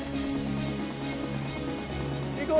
行こう。